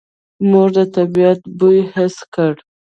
موږ د طبعیت بوی حس کړ.